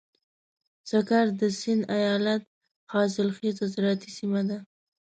سکر د سيند ايالت حاصلخېزه زراعتي سيمه ده.